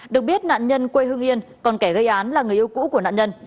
được biết nạn nhân quê hương yên còn kẻ gây án là người yêu cũ của nạn nhân